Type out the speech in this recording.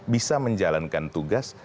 bisa menjalankan tugas